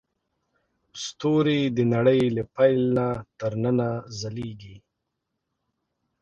ستوري د نړۍ له پیل نه تر ننه ځلېږي.